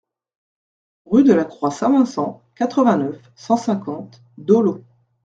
Rue de la Croix Saint-Vincent, quatre-vingt-neuf, cent cinquante Dollot